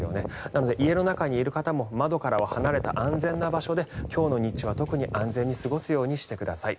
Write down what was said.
なので家の中にいる方も窓からは離れた安全な場所で今日の日中は特に安全に過ごすようにしてください。